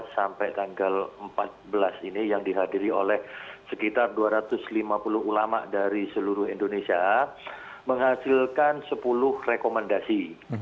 sampai tanggal empat belas ini yang dihadiri oleh sekitar dua ratus lima puluh ulama dari seluruh indonesia menghasilkan sepuluh rekomendasi